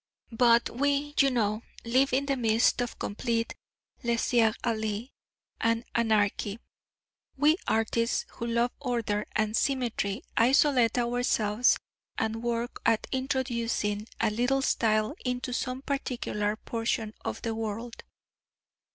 But we, you know, live in the midst of complete laisser aller and anarchy; we artists who love order and symmetry, isolate ourselves and work at introducing a little style into some particular portion of the world.